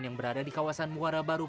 yang berada di kawasan muara baru